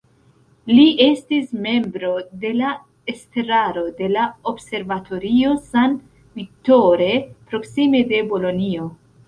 Li estis membro de la estraro de la Observatorio San Vittore proksime de Bolonjo.